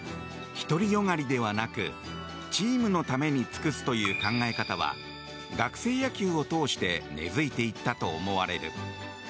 独りよがりではなくチームのために尽くすという考え方は学生野球を通して根付いていったと思われる。